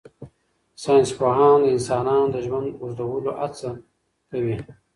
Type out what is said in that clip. ساینس پوهان د انسانانو د ژوند اوږدولو هڅه کوي.